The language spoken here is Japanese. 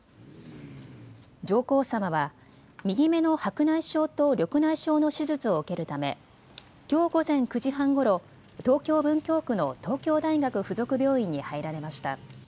上皇さまは右目の白内障と緑内障の手術を受けるためきょう午前９時半ごろ東京文京区の東京大学附属病院に入られました。